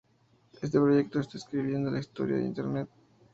Este proyecto está escribiendo la historia de internet.